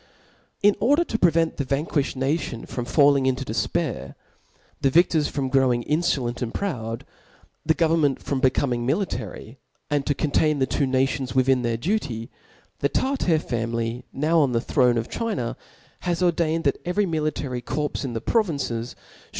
In order to prevent the vanquiihed nation from falling into defpair, the vidocf from growing in* ibVent and proudt the government from becoming military, a(i|d to contain the two nations wichia their duty •, the Tartar family ppw' Op the throne of China, has ordained that every military corps in the provinces Ihould.